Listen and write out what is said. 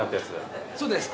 そうです。